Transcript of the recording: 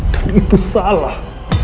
dan itu salah